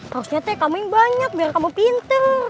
harusnya teh kamu yang banyak biar kamu pinter